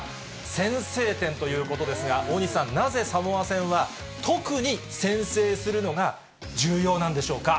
先制点ということですが、大西さん、なぜサモア戦は特に先制するのが重要なんでしょうか。